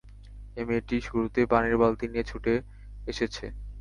এই মেয়েটি শুরুতেই পানির বালতি নিয়ে ছুটে এসেছে।